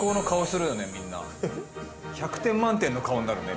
百点満点の顔になるね